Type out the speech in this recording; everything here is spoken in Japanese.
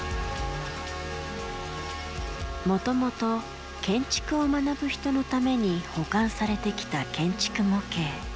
もともと建築を学ぶ人のために保管されてきた建築模型。